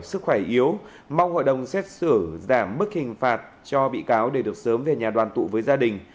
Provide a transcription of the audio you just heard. sức khỏe yếu mong hội đồng xét xử giảm mức hình phạt cho bị cáo để được sớm về nhà đoàn tụ với gia đình